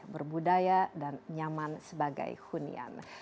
berbudaya dan nyaman sebagai hunian